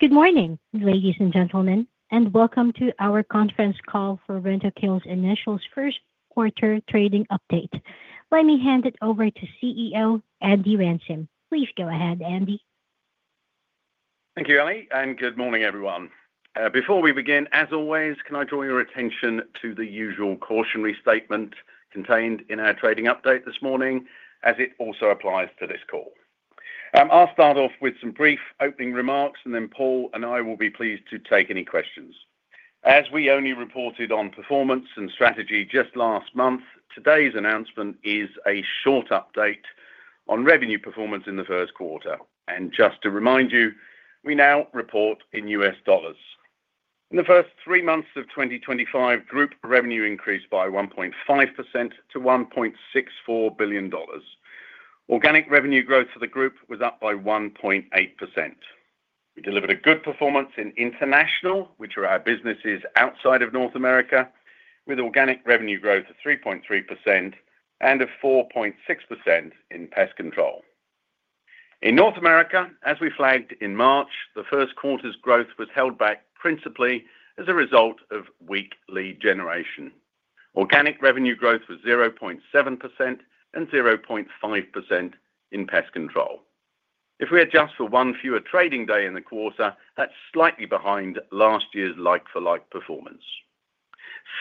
Good morning, ladies and gentlemen, and welcome to our conference call for Rentokil Initial's first quarter trading update. Let me hand it over to CEO Andy Ransom. Please go ahead, Andy. Thank you, Ellie, and good morning, everyone. Before we begin, as always, can I draw your attention to the usual cautionary statement contained in our trading update this morning, as it also applies to this call? I'll start off with some brief opening remarks, and then Paul and I will be pleased to take any questions. As we only reported on performance and strategy just last month, today's announcement is a short update on revenue performance in the first quarter. Just to remind you, we now report in U.S. dollars. In the first three months of 2025, Group revenue increased by 1.5% to $1.64 billion. Organic revenue growth for the Group was up by 1.8%. We delivered a good performance in International, which are our businesses outside of North America, with organic revenue growth of 3.3% and of 4.6% in Pest Control. In North America, as we flagged in March, the first quarter's growth was held back principally as a result of weak lead generation. Organic revenue growth was 0.7% and 0.5% in Pest Control. If we adjust for one fewer trading day in the quarter, that's slightly behind last year's like-for-like performance.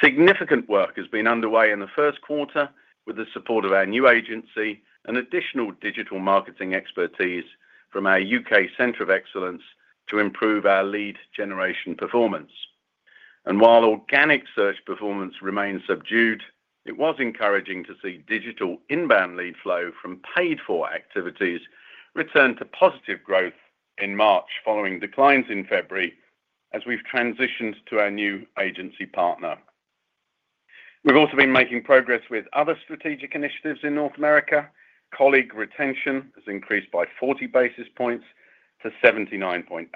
Significant work has been underway in the first quarter with the support of our new agency and additional digital marketing expertise from our U.K. Centre of Excellence to improve our lead generation performance. While organic search performance remains subdued, it was encouraging to see digital inbound lead flow from paid-for activities return to positive growth in March following declines in February as we've transitioned to our new agency partner. We've also been making progress with other strategic initiatives in North America. Colleague retention has increased by 40 basis points to 79.8%,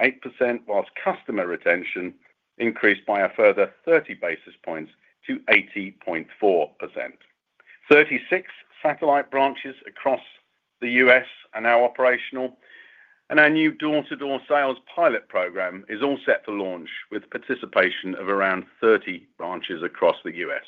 whilst customer retention increased by a further 30 basis points to 80.4%. 36 satellite branches across the U.S. are now operational, and our new door-to-door sales pilot program is all set to launch with participation of around 30 branches across the U.S.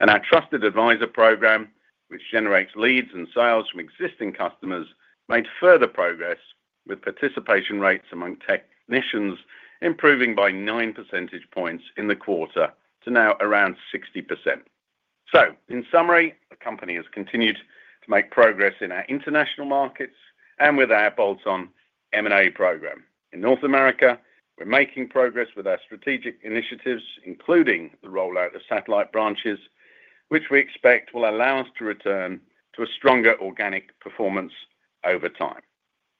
Our Trusted Advisor program, which generates leads and sales from existing customers, made further progress with participation rates among technicians improving by 9 percentage points in the quarter to now around 60%. In summary, the company has continued to make progress in our international markets and with our bolt-on M&A program. In North America, we're making progress with our strategic initiatives, including the rollout of satellite branches, which we expect will allow us to return to a stronger organic performance over time.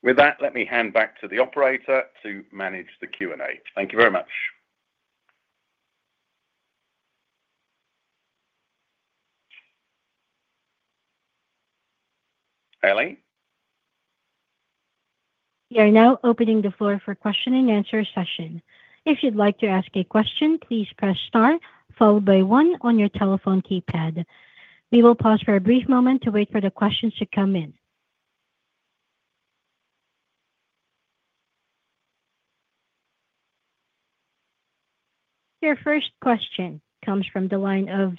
With that, let me hand back to the operator to manage the Q&A. Thank you very much. Ellie? We are now opening the floor for question-and-answer session. If you'd like to ask a question, please press star followed by one on your telephone keypad. We will pause for a brief moment to wait for the questions to come in. Your first question comes from the line of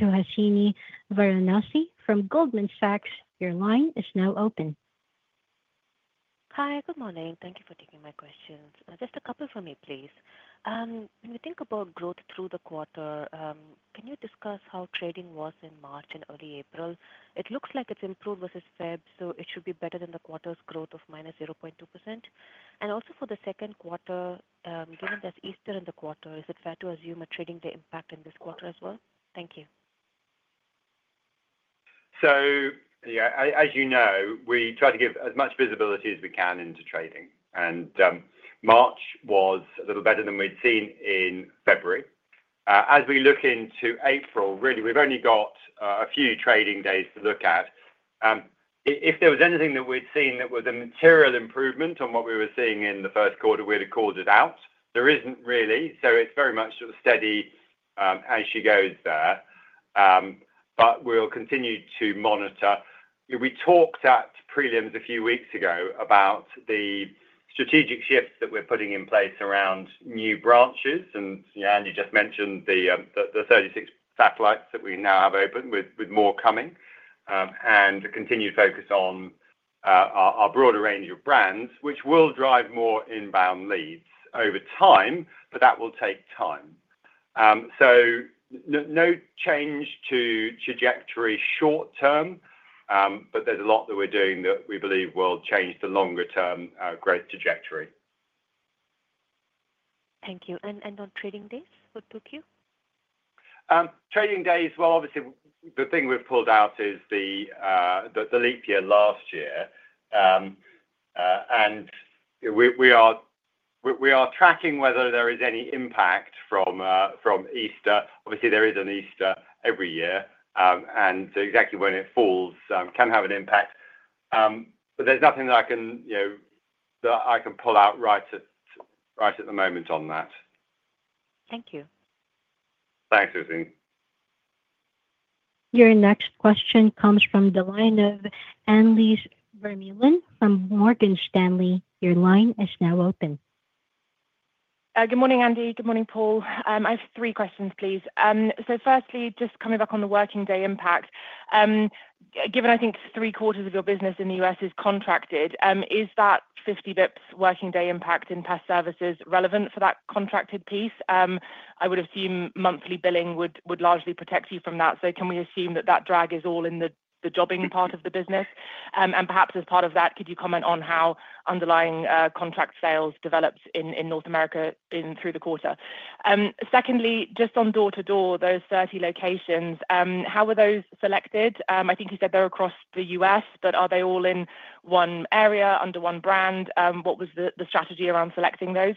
Suhasini Varanasi from Goldman Sachs. Your line is now open. Hi, good morning. Thank you for taking my questions. Just a couple for me, please. When we think about growth through the quarter, can you discuss how trading was in March and early April? It looks like it's improved versus February, so it should be better than the quarter's growth of -0.2%. Also for the second quarter, given that's Easter in the quarter, is it fair to assume a trading day impact in this quarter as well? Thank you. Yeah, as you know, we try to give as much visibility as we can into trading. March was a little better than we'd seen in February. As we look into April, really, we've only got a few trading days to look at. If there was anything that we'd seen that was a material improvement on what we were seeing in the first quarter, we'd have called it out. There isn't really, so it's very much steady as she goes there. We'll continue to monitor. We talked at prelims a few weeks ago about the strategic shifts that we're putting in place around new branches. Andy just mentioned the 36 satellites that we now have open, with more coming, and a continued focus on our broader range of brands, which will drive more inbound leads over time, but that will take time. No change to trajectory short term, but there is a lot that we are doing that we believe will change the longer-term growth trajectory. Thank you. On trading days, what took you? Trading days, obviously, the thing we've pulled out is the leap year last year. We are tracking whether there is any impact from Easter. Obviously, there is an Easter every year, and exactly when it falls can have an impact. There is nothing that I can pull out right at the moment on that. Thank you. Thanks, Suhasini. Your next question comes from the line of Annelies Vermeulen from Morgan Stanley. Your line is now open. Good morning, Andy. Good morning, Paul. I have three questions, please. Firstly, just coming back on the working day impact, given I think three quarters of your business in the U.S. is contracted, is that 50 basis points working day impact in pest services relevant for that contracted piece? I would assume monthly billing would largely protect you from that. Can we assume that that drag is all in the jobbing part of the business? Perhaps as part of that, could you comment on how underlying contract sales developed in North America through the quarter? Secondly, just on door-to-door, those 30 locations, how were those selected? I think you said they are across the U.S., but are they all in one area, under one brand? What was the strategy around selecting those?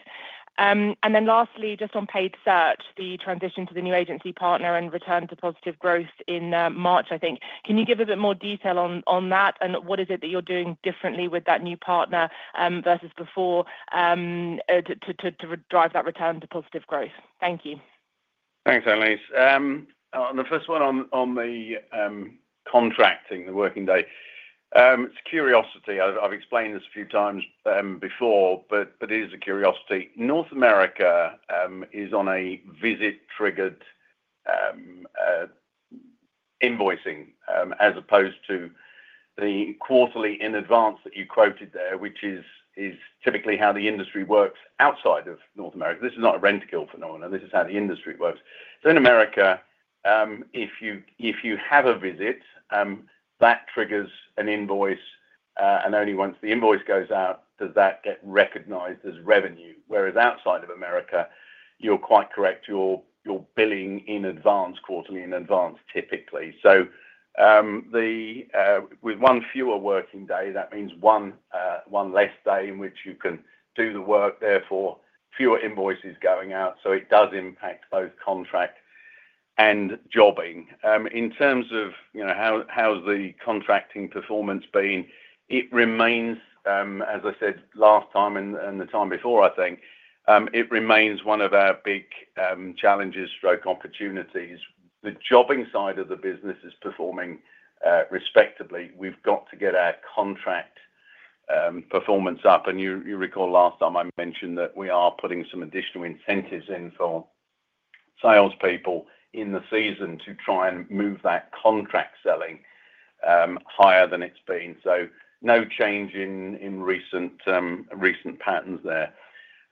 Lastly, just on paid search, the transition to the new agency partner and return to positive growth in March, I think. Can you give a bit more detail on that, and what is it that you're doing differently with that new partner versus before to drive that return to positive growth? Thank you. Thanks, Annelies. The first one on the contracting, the working day, it's a curiosity. I've explained this a few times before, but it is a curiosity. North America is on a visit-triggered invoicing as opposed to the quarterly in advance that you quoted there, which is typically how the industry works outside of North America. This is not a Rentokil phenomenon. This is how the industry works. In America, if you have a visit, that triggers an invoice, and only once the invoice goes out does that get recognized as revenue. Whereas outside of America, you're quite correct. You're billing in advance, quarterly in advance, typically. With one fewer working day, that means one less day in which you can do the work, therefore fewer invoices going out. It does impact both contract and jobbing. In terms of how's the contracting performance been, it remains, as I said last time and the time before, I think, it remains one of our big challenges, stroke opportunities. The jobbing side of the business is performing respectably. We've got to get our contract performance up. You recall last time I mentioned that we are putting some additional incentives in for salespeople in the season to try and move that contract selling higher than it's been. No change in recent patterns there.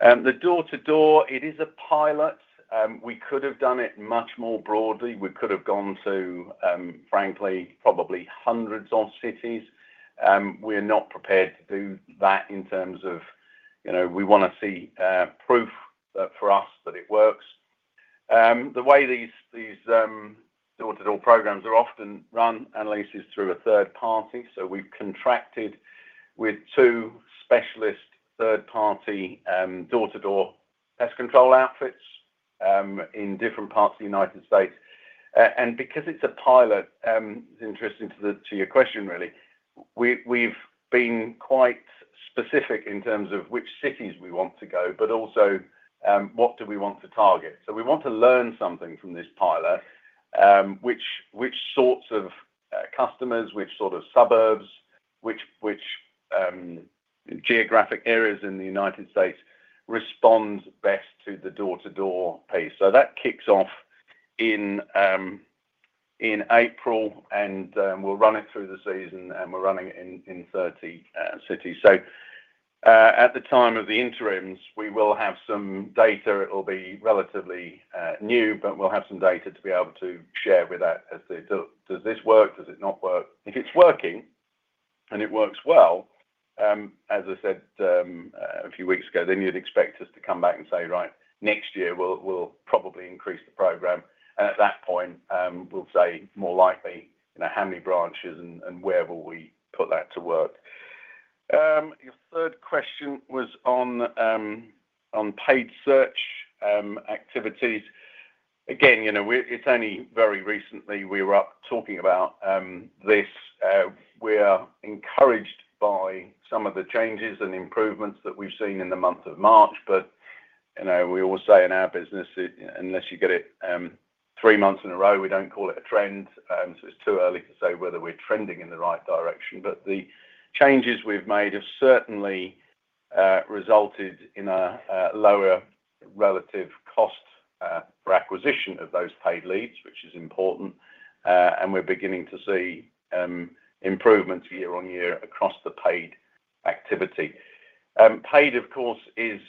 The door-to-door, it is a pilot. We could have done it much more broadly. We could have gone to, frankly, probably hundreds of cities. We're not prepared to do that in terms of we want to see proof for us that it works. The way these door-to-door programs are often run, Annelies, is through a third party. We have contracted with two specialist third-party door-to-door pest control outfits in different parts of the United States. Because it is a pilot, it is interesting to your question, really. We have been quite specific in terms of which cities we want to go, but also what we want to target. We want to learn something from this pilot, which sorts of customers, which sort of suburbs, which geographic areas in the United States respond best to the door-to-door piece. That kicks off in April, and we will run it through the season, and we are running it in 30 cities. At the time of the interims, we will have some data. It will be relatively new, but we will have some data to be able to share with that as to, does this work? Does it not work? If it's working and it works well, as I said a few weeks ago, then you'd expect us to come back and say, right, next year we'll probably increase the program. At that point, we'll say more likely how many branches and where will we put that to work. Your third question was on paid search activities. Again, it's only very recently we were talking about this. We are encouraged by some of the changes and improvements that we've seen in the month of March. We always say in our business, unless you get it three months in a row, we don't call it a trend. It is too early to say whether we're trending in the right direction. The changes we've made have certainly resulted in a lower relative cost for acquisition of those paid leads, which is important. We're beginning to see improvements year on year across the paid activity. Paid, of course, is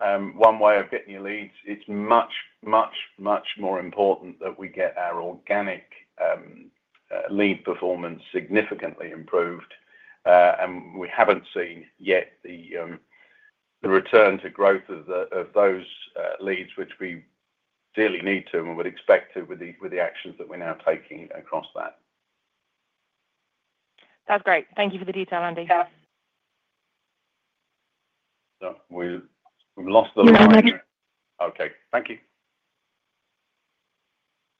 one way of getting your leads. It's much, much, much more important that we get our organic lead performance significantly improved. We haven't seen yet the return to growth of those leads, which we dearly need to and would expect to with the actions that we're now taking across that. That's great. Thank you for the detail, Andy. We've lost the line. No, nothing. Okay. Thank you.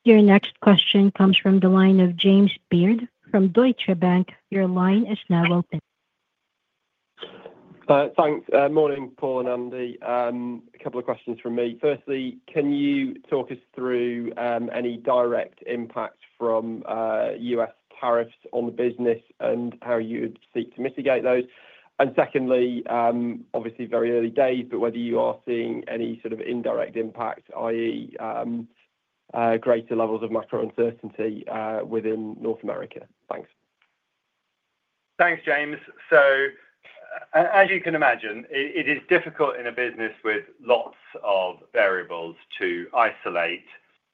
Your next question comes from the line of James Beard from Deutsche Bank. Your line is now open. Thanks. Morning, Paul and Andy. A couple of questions from me. Firstly, can you talk us through any direct impact from U.S. tariffs on the business and how you'd seek to mitigate those? Secondly, obviously, very early days, but whether you are seeing any sort of indirect impact, i.e., greater levels of macro uncertainty within North America. Thanks. Thanks, James. As you can imagine, it is difficult in a business with lots of variables to isolate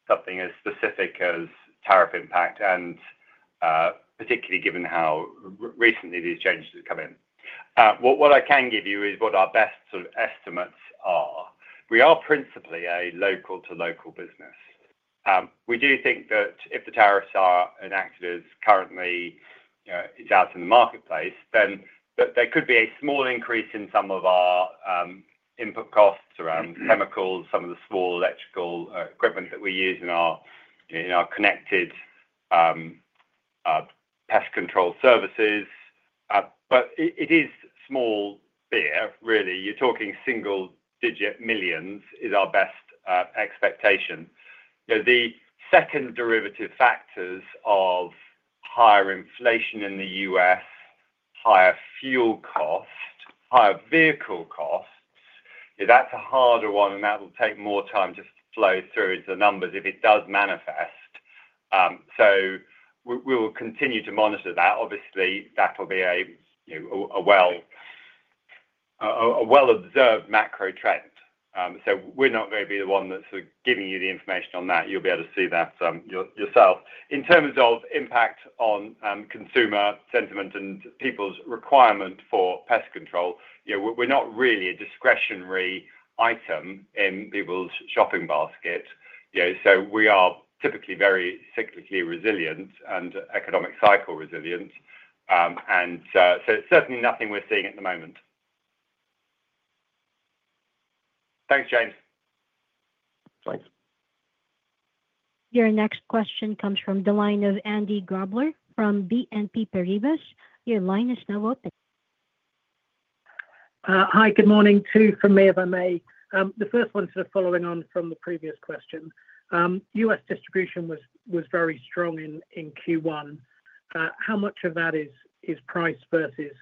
something as specific as tariff impact, and particularly given how recently these changes have come in. What I can give you is what our best sort of estimates are. We are principally a local-to-local business. We do think that if the tariffs are enacted as currently it's out in the marketplace, then there could be a small increase in some of our input costs around chemicals, some of the small electrical equipment that we use in our connected pest control services. It is small beer, really. You're talking single-digit millions is our best expectation. The second derivative factors of higher inflation in the U.S., higher fuel costs, higher vehicle costs, that's a harder one, and that will take more time just to flow through into the numbers if it does manifest. We will continue to monitor that. Obviously, that'll be a well-observed macro trend. We're not going to be the one that's giving you the information on that. You'll be able to see that yourself. In terms of impact on consumer sentiment and people's requirement for pest control, we're not really a discretionary item in people's shopping basket. We are typically very cyclically resilient and economic cycle resilient. It is certainly nothing we're seeing at the moment. Thanks, James. Thanks. Your next question comes from the line of Andy Grobler from BNP Paribas. Your line is now open. Hi, good morning too from me, if I may. The first one's sort of following on from the previous question. U.S. distribution was very strong in Q1. How much of that is price versus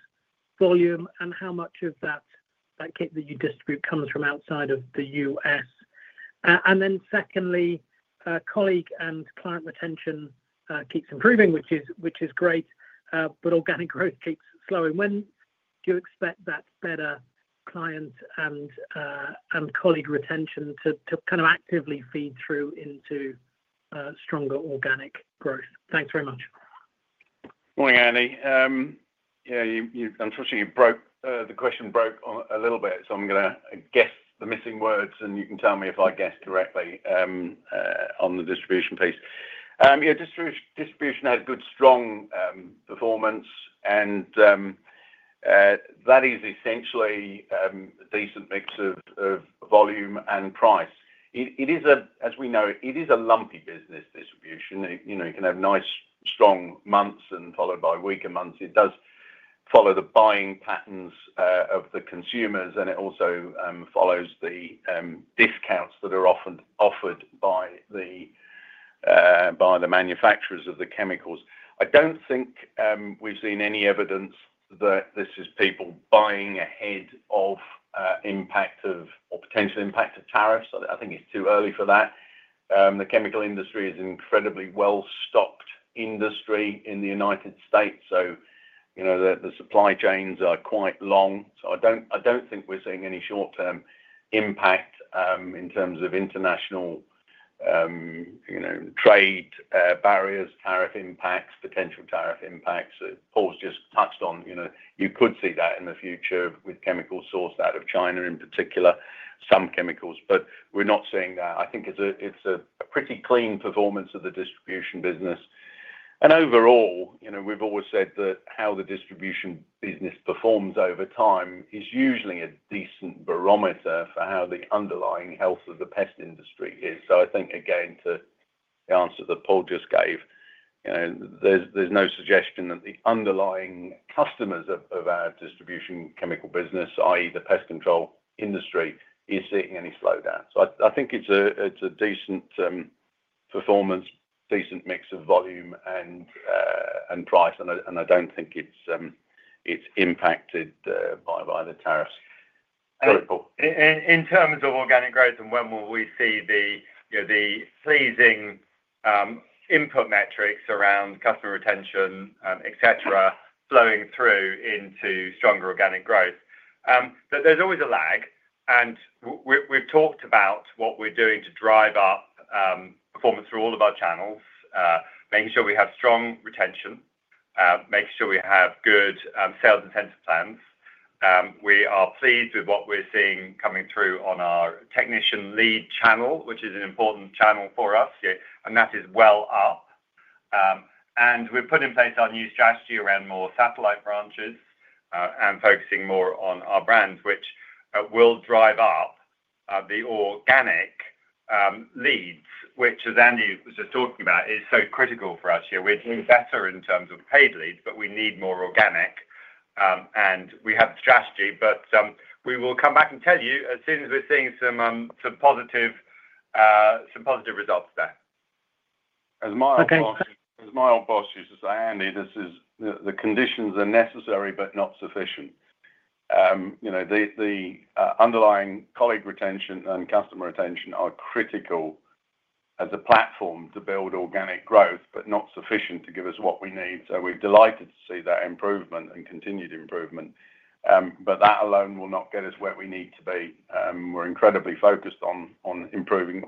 volume, and how much of that kit that you distribute comes from outside of the U.S.? Secondly, colleague and client retention keeps improving, which is great, but organic growth keeps slowing. When do you expect that better client and colleague retention to kind of actively feed through into stronger organic growth? Thanks very much. Morning, Andy. Yeah, unfortunately, the question broke a little bit, so I'm going to guess the missing words, and you can tell me if I guessed correctly on the distribution piece. Yeah, distribution had good, strong performance, and that is essentially a decent mix of volume and price. As we know, it is a lumpy business, distribution. You can have nice, strong months followed by weaker months. It does follow the buying patterns of the consumers, and it also follows the discounts that are offered by the manufacturers of the chemicals. I don't think we've seen any evidence that this is people buying ahead of impact of or potential impact of tariffs. I think it's too early for that. The chemical industry is an incredibly well-stocked industry in the United States, so the supply chains are quite long. I do not think we are seeing any short-term impact in terms of international trade barriers, tariff impacts, potential tariff impacts. Paul just touched on you could see that in the future with chemicals sourced out of China in particular, some chemicals, but we are not seeing that. I think it is a pretty clean performance of the distribution business. Overall, we have always said that how the distribution business performs over time is usually a decent barometer for how the underlying health of the pest industry is. I think, again, to the answer that Paul just gave, there is no suggestion that the underlying customers of our distribution chemical business, i.e., the Pest Control industry, are seeing any slowdown. I think it is a decent performance, decent mix of volume and price, and I do not think it is impacted by the tariffs. In terms of organic growth and when will we see the freezing input metrics around customer retention, etc., flowing through into stronger organic growth? There is always a lag, and we have talked about what we are doing to drive up performance through all of our channels, making sure we have strong retention, making sure we have good sales incentive plans. We are pleased with what we are seeing coming through on our technician lead channel, which is an important channel for us, and that is well up. We have put in place our new strategy around more satellite branches and focusing more on our brands, which will drive up the organic leads, which, as Andy was just talking about, is so critical for us here. We're doing better in terms of paid leads, but we need more organic, and we have a strategy, but we will come back and tell you as soon as we're seeing some positive results there. As my old boss used to say, Andy, the conditions are necessary but not sufficient. The underlying colleague retention and customer retention are critical as a platform to build organic growth, but not sufficient to give us what we need. We are delighted to see that improvement and continued improvement, but that alone will not get us where we need to be. We are incredibly focused on improving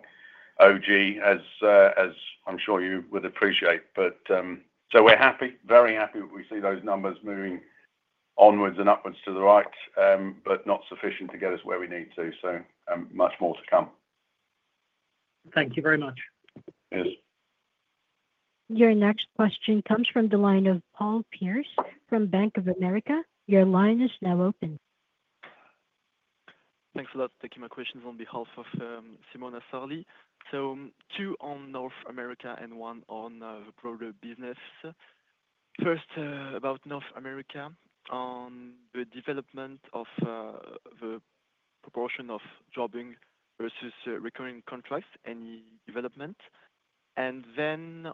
OG, as I am sure you would appreciate. We are happy, very happy that we see those numbers moving onwards and upwards to the right, but not sufficient to get us where we need to. Much more to come. Thank you very much. Yes. Your next question comes from the line of Paul Pierce from Bank of America. Your line is now open. Thanks a lot for taking my questions on behalf of Simona Sarli. Two on North America and one on broader business. First, about North America on the development of the proportion of jobbing versus recurring contracts, any development?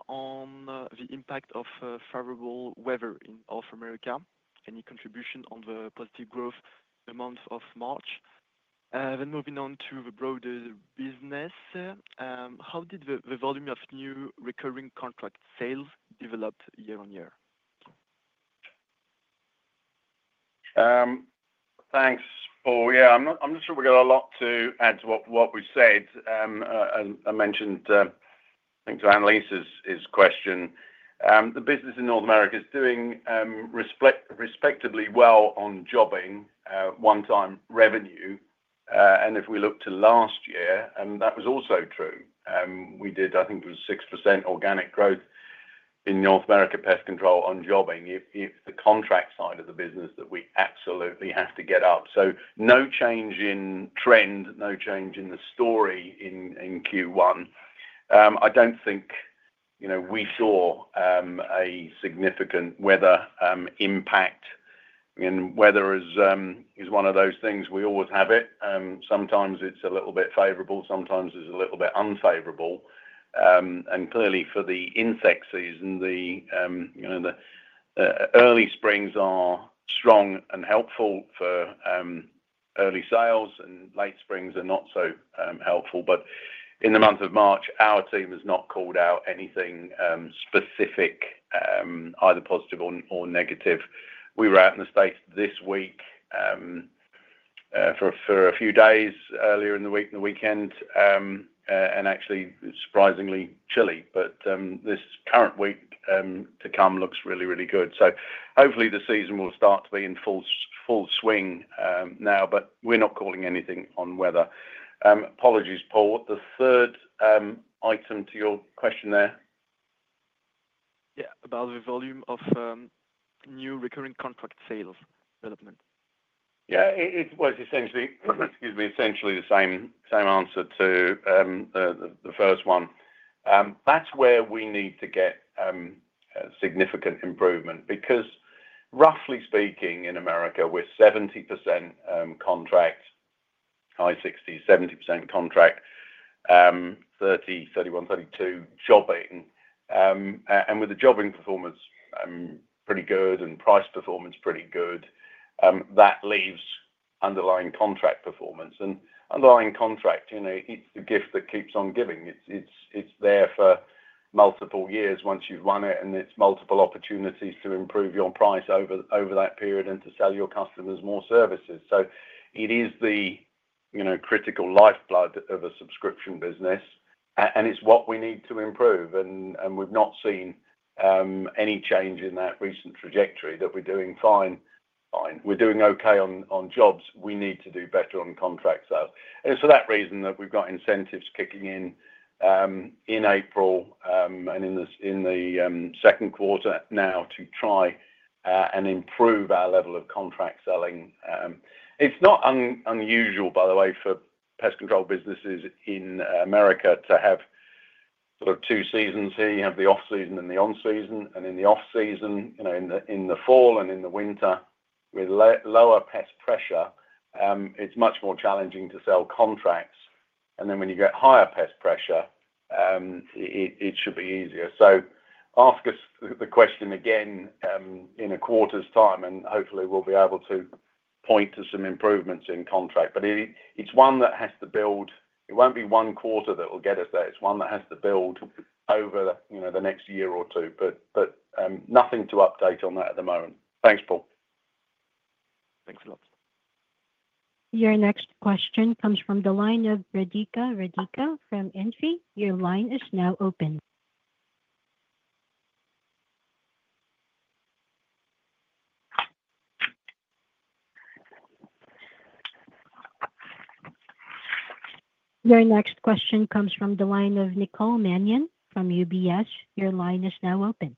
On the impact of favorable weather in North America, any contribution on the positive growth amount of March? Moving on to the broader business, how did the volume of new recurring contract sales develop year-on-year? Thanks, Paul. Yeah, I'm not sure we've got a lot to add to what we've said. I mentioned, I think, to Annelies' question, the business in North America is doing respectively well on jobbing one-time revenue. If we look to last year, that was also true. We did, I think it was 6% organic growth in North America Pest Control on jobbing. It is the contract side of the business that we absolutely have to get up. No change in trend, no change in the story in Q1. I don't think we saw a significant weather impact. Weather is one of those things. We always have it. Sometimes it's a little bit favorable. Sometimes it's a little bit unfavorable. Clearly, for the insect season, the early springs are strong and helpful for early sales, and late springs are not so helpful. In the month of March, our team has not called out anything specific, either positive or negative. We were out in the States this week for a few days earlier in the week and the weekend, and actually, surprisingly chilly. This current week to come looks really, really good. Hopefully, the season will start to be in full swing now, but we're not calling anything on weather. Apologies, Paul. The third item to your question there. Yeah, about the volume of new recurring contract sales development. Yeah, it was essentially the same answer to the first one. That's where we need to get significant improvement because, roughly speaking, in America, we're 70% contract, high 60s, 70% contract, 30, 31, 32 jobbing. With the jobbing performance pretty good and price performance pretty good, that leaves underlying contract performance. Underlying contract, it's the gift that keeps on giving. It's there for multiple years once you've won it, and it's multiple opportunities to improve your price over that period and to sell your customers more services. It is the critical lifeblood of a subscription business, and it's what we need to improve. We've not seen any change in that recent trajectory that we're doing fine. We're doing okay on jobs. We need to do better on contract sales. It is for that reason that we have got incentives kicking in in April and in the second quarter now to try and improve our level of contract selling. It is not unusual, by the way, for Pest Control businesses in the U.S. to have sort of two seasons. You have the off-season and the on-season. In the off-season, in the fall and in the winter, with lower pest pressure, it is much more challenging to sell contracts. When you get higher pest pressure, it should be easier. Ask us the question again in a quarter's time, and hopefully, we will be able to point to some improvements in contract. It is one that has to build. It will not be one quarter that will get us there. It is one that has to build over the next year or two, but nothing to update on that at the moment. Thanks, Paul. Thanks a lot. Your next question comes from the line of Nicole Manion from UBS. Your line is now open.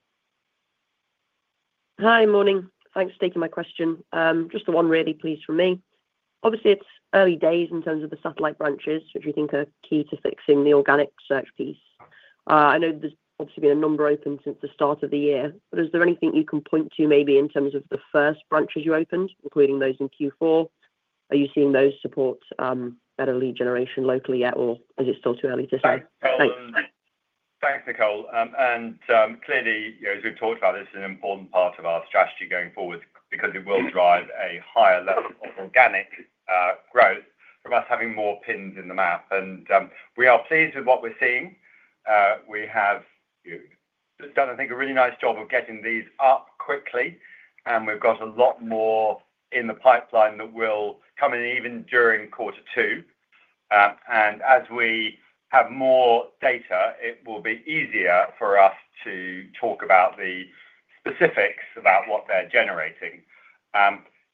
Hi, morning. Thanks for taking my question. Just the one really please for me. Obviously, it's early days in terms of the satellite branches, which we think are key to fixing the organic search piece. I know there's obviously been a number open since the start of the year, but is there anything you can point to maybe in terms of the first branches you opened, including those in Q4? Are you seeing those support better lead generation locally yet, or is it still too early to say? Thanks, Nicole. Clearly, as we've talked about, this is an important part of our strategy going forward because it will drive a higher level of organic growth from us having more pins in the map. We are pleased with what we're seeing. We have done, I think, a really nice job of getting these up quickly, and we've got a lot more in the pipeline that will come in even during quarter two. As we have more data, it will be easier for us to talk about the specifics about what they're generating.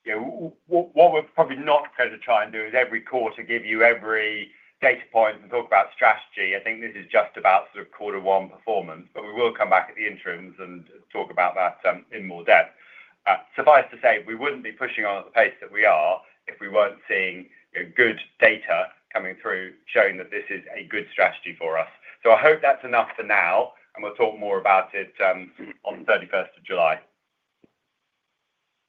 What we're probably not going to try and do is every quarter give you every data point and talk about strategy. I think this is just about sort of quarter one performance, but we will come back at the interims and talk about that in more depth. Suffice to say, we wouldn't be pushing on at the pace that we are if we weren't seeing good data coming through showing that this is a good strategy for us. I hope that's enough for now, and we'll talk more about it on the 31st of July.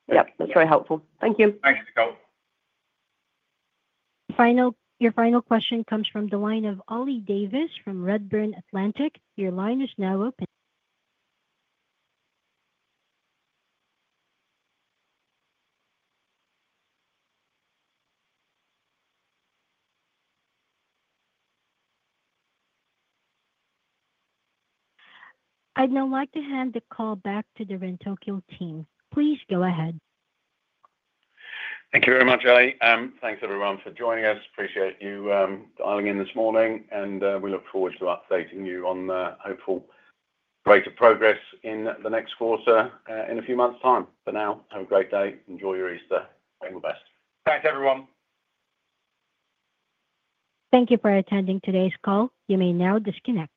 Yep, that's very helpful. Thank you. Thanks, Nicole. Your final question comes from the line of Ollie Davies from Redburn Atlantic. Your line is now open. I'd now like to hand the call back to the Rentokil team. Please go ahead. Thank you very much, Ellie. Thanks, everyone, for joining us. Appreciate you dialing in this morning, and we look forward to updating you on hopeful greater progress in the next quarter in a few months' time. For now, have a great day. Enjoy your Easter. All the best. Thanks, everyone. Thank you for attending today's call. You may now disconnect.